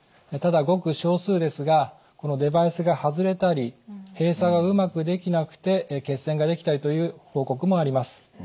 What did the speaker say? ただごく少数ですがこのデバイスが外れたり閉鎖がうまくできなくて血栓ができたりという報告もあります。